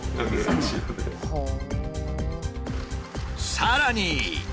さらに。